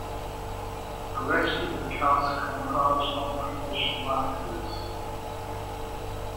The rest of the cast comprised non-professional actors.